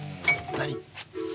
何？